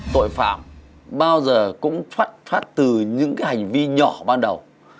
tội phạm bao giờ cũng thoát thoát từ những cái hành vi nhỏ ban đầu